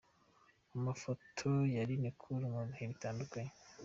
Amafoto yaline Cool mu bihe bitandukanye.